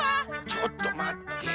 ちょっとまって。